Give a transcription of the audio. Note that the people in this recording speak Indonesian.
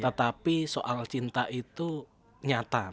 tetapi soal cinta itu nyata